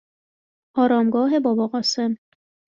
آرامگاه باباقاسم